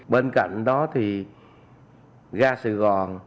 bên cạnh đó thì ga sài gòn